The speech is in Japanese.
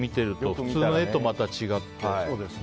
普通の絵とまた違って。